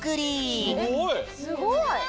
すごい！